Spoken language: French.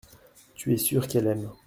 Tu es sûr qu’elle aime.